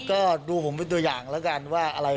คือแบบเป็นหัวเดียวกันอยู่นี่หรือเปล่า